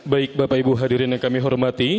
baik bapak ibu hadirin yang kami hormati